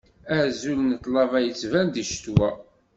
Azal n tlaba ittban di ccetwa.